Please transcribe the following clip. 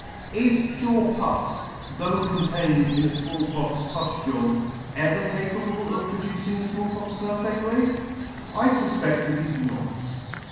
Is pure pus, though contained in a Small pox puflule, ever capable of producing the Small Pox perfectly ? I fufped it is not.